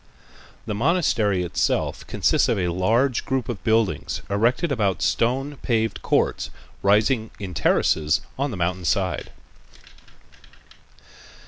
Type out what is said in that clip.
The monastery itself consists of a large group of buildings erected about stone paved courts, rising in terraces on the mountain side.